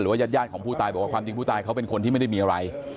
ญาติของผู้ตายบอกว่าความจริงผู้ตายเขาเป็นคนที่ไม่ได้มีอะไร